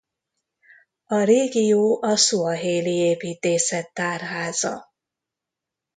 A régió a szuahéli építészet tárháza.